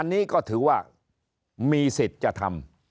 อันนี้ก็ถือว่ามีสิทธิ์จะทำ